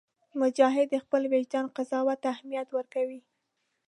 مجاهد د خپل وجدان قضاوت ته اهمیت ورکوي.